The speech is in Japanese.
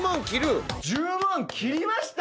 １０万切りました！